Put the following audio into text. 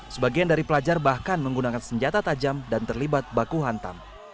sebagian dari pelajar bahkan menggunakan senjata tajam dan terlibat baku hantam